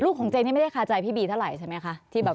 ของเจนี่ไม่ได้คาใจพี่บีเท่าไหร่ใช่ไหมคะ